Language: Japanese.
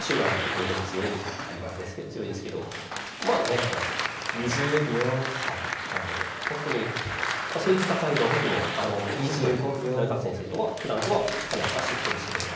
当然強い当たり前ですけど強いですけどまあ行方さんもはいあの本当にそういう戦いは僕も行方先生とは九段とはかなり指してきてましたけど。